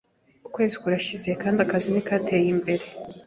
Ukwezi kurashize kandi akazi ntikateye imbere.